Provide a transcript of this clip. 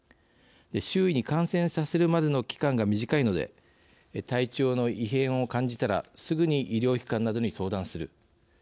周囲に感染させるまでの期間が短いので体調の異変を感じたらすぐに医療機関などに相談する。